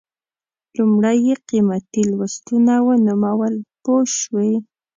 لومړی یې قیمتي لوستونه ونومول پوه شوې!.